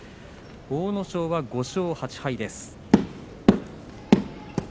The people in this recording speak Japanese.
阿武咲は５勝８敗です。